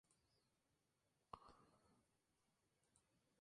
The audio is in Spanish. Un tiempo fresco estable lo protege de insectos y evita el crecimiento de bacterias.